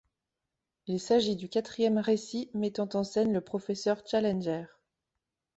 Il s'agit du quatrième récit mettant en scène le professeur Challenger.